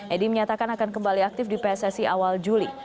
edi menyatakan akan kembali aktif di pssi awal juli